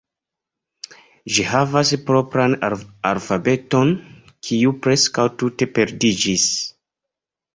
Ĝi havas propran alfabeton, kiu preskaŭ tute perdiĝis.